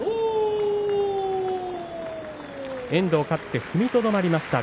遠藤、勝って踏みとどまりました。